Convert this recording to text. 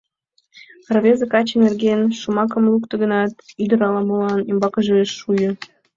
Рвезе каче нерген шомакым лукто гынат, ӱдыр ала-молан умбакыже ыш шуйо.